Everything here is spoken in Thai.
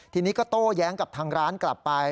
ทีนี้ก็โต้แย้งกับทางร้านกลับไป